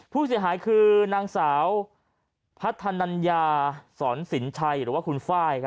ผู้เสียหายคือนางสาวพัฒนัญญาสอนสินชัยหรือว่าคุณไฟล์